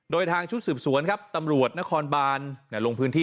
โดยทางชุดสืบสวนครับตำรวจนครบานลงพื้นที่